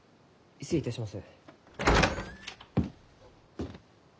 失礼いたします。